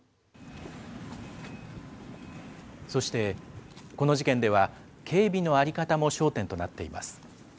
そして、この事件では警備の在り方も焦点となっています。